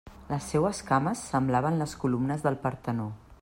Les seues cames semblaven les columnes del Partenó.